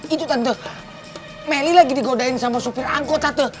itu tante meli lagi digodain sama sopir angkot tante